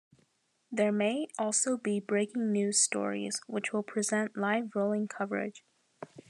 There may also be breaking news stories which will present live rolling coverage.